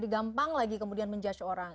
gampang lagi kemudian menjudge orang